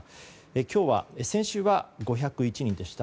今日は、先週が５０１人でした。